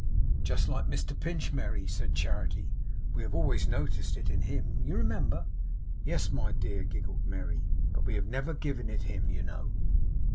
'Just like Mr Pinch, Merry!' said Charity. 'We have always noticed it in him, you remember?' 'Yes, my dear,' giggled Merry, 'but we have never given it him, you know.